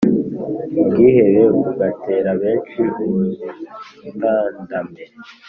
Ubwihebe bugatera benshi ubutandame